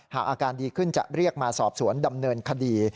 อาการดีขึ้นจะเรียกมาสอบสวนดำเนินคดี